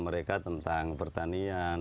mereka tentang pertanian